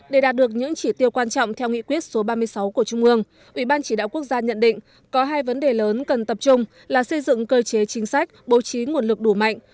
để đạt được những chỉ tiêu quan trọng theo nghị quyết số ba mươi sáu của trung ương ủy ban chỉ đạo quốc gia nhận định có hai vấn đề lớn cần tập trung là xây dựng cơ chế chính sách bố trí nguồn lực đủ mạnh